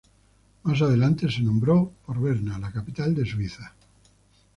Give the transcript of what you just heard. Más adelante se nombró por Berna, la capital de suiza.